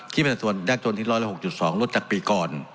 คิดเป็นสัตว์ส่วนยากจนที่ร้อยละ๖๒ลดจากปีก่อน